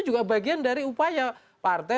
juga bagian dari upaya partai